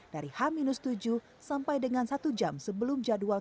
dari h tujuh sampai dengan satu jam sebelum jadwal